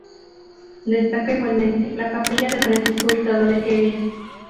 Destaca igualmente la capilla de Francisco Hurtado de Hevia.